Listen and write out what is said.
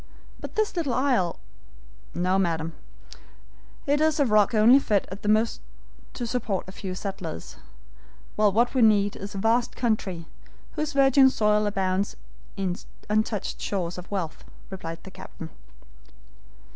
But this little isle " "No, madam, it is a rock only fit at most to support a few settlers; while what we need is a vast country, whose virgin soil abounds in untouched stores of wealth," replied the captain.